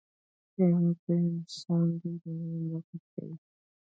کائنات د انسان د ارمانونو ملاتړ کوي.